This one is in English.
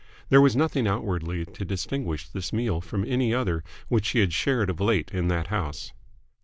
There was nothing outwardly to distinguish this meal from any other which she had shared of late in that house.